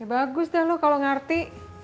ya bagus dah lu kalau ngerti